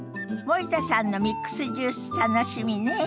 森田さんのミックスジュース楽しみね。